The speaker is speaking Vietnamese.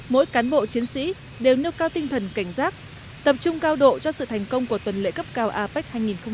mỗi cán bộ chiến sĩ đều nêu cao tinh thần cảnh giác tập trung cao độ cho sự thành công của tuần lễ cấp cao apec hai nghìn hai mươi